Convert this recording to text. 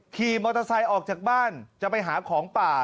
ขี่มอเตอร์ไซค์ออกจากบ้านจะไปหาของป่า